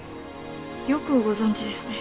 よくご存じですね。